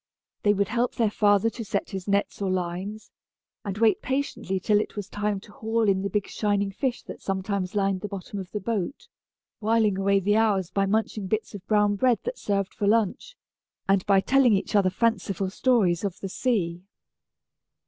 They would help their father to set his nets or lines, and wait patiently till it was time to haul in the big shining fish that sometimes lined the bottom of the boat, whiling away the hours by munching bits of brown bread that served for lunch, and by telling each other fanciful stories of the sea.